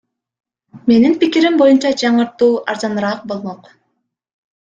Менин пикирим боюнча, жаңыртуу арзаныраак болмок.